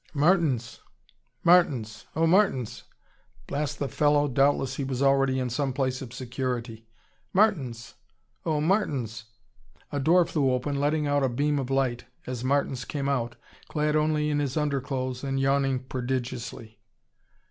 "Martins! Martins! Oh, Martins!" Blast the fellow, doubtless he was already in some place of security. "Martins! Oh, Martins!" A door flew open, letting out a beam of light as Martins came out, clad only in his underclothes and yawning prodigiously.